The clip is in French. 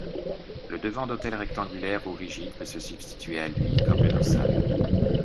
Le devant-d'autel rectangulaire ou rigide peut se substituer à lui, comme le dossal.